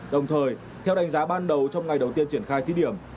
đồng thời theo đánh giá ban đầu trong ngày đầu tiên triển khai thí điểm